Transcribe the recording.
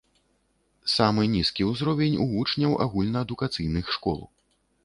Самы нізкі ўзровень у вучняў агульнаадукацыйных школ.